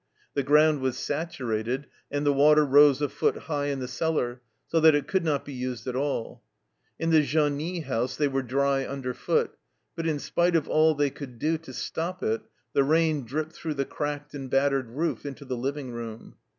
The ground was saturated, and the water rose a foot high in the cellar, so that it could not be used at all. In the genie house they were dry under foot, but in spite of all they could do to stop it the rain dripped through the cracked and battered roof into the living room.